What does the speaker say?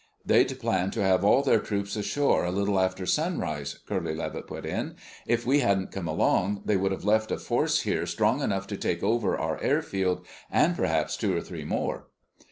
"They'd planned to have all their troops ashore a little after sunrise," Curly Levitt put in. "If we hadn't come along, they would have left a force here strong enough to take over our airfield and perhaps two or three more."